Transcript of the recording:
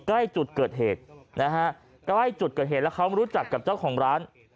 ใกล้จุดเกิดเหตุนะฮะใกล้จุดเกิดเหตุแล้วเขามารู้จักกับเจ้าของร้าน